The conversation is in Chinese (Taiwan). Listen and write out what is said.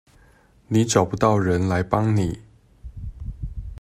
你找不到人來幫你